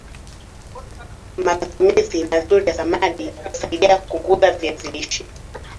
matumizi mazuri ya samadi husaidia kukuza viazi lishe